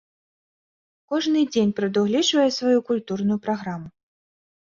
Кожны дзень прадугледжвае сваю культурную праграму.